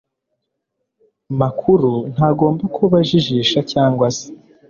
makuru ntagomba kuba ajijisha cyangwa se